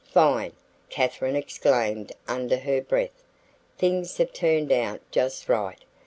"Fine!" Katharine exclaimed under her breath. "Things have turned out just right.